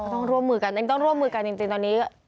ต้องร่วมมือกันเองต้องร่วมมือกันจริงตอนนี้